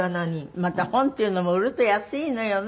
また本っていうのも売ると安いのよね。